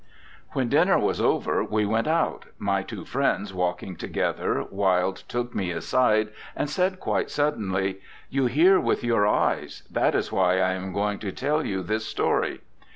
When dinner was over we went out. My two friends walking together, Wilde took me aside and said quite suddenly, 'You hear with your eyes; that is why I am going to tell you this story.'